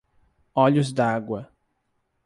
Olhos-d'Água